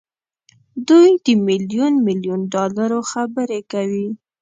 دوی د ميليون ميليون ډالرو خبرې کوي.